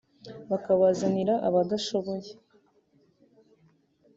bakabazanira abadashoboye